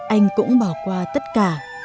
anh cũng bỏ qua tất cả